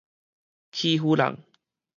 欺負人